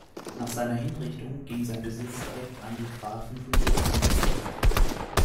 Nach seiner Hinrichtung ging sein Besitz direkt an die Grafen von Burgund über.